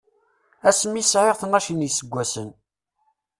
Asmi i sɛiɣ tnac n yiseggasen.